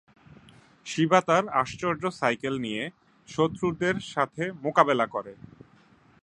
শিবা তার আশ্চর্য সাইকেল নিয়ে শত্রুদের সাথে মোকাবেলা করে।